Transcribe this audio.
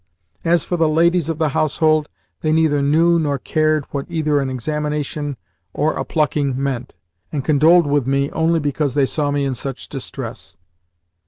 As for the ladies of the household, they neither knew nor cared what either an examination or a plucking meant, and condoled with me only because they saw me in such distress.